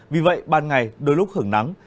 vì vậy ban ngày đôi lúc hưởng nắng